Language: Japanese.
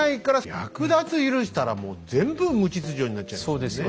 略奪許したらもう全部無秩序になっちゃいますよねえ。